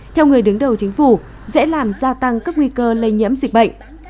theo người đứng đầu chính phủ dễ làm gia tăng các nguy cơ lây nhiễm dịch bệnh